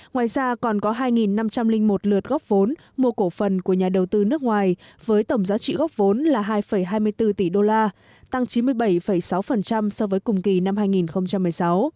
ngoài ra còn có hai năm trăm linh một lượt góp vốn mua cổ phần của nhà đầu tư nước ngoài với tổng giá trị góp vốn là hai hai mươi bốn tỷ đô la tăng chín mươi bảy sáu so với cùng kỳ năm hai nghìn một mươi sáu